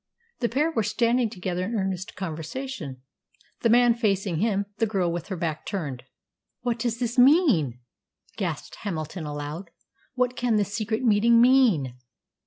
The pair were standing together in earnest conversation, the man facing him, the girl with her back turned. "What does this mean?" gasped Hamilton aloud. "What can this secret meeting mean?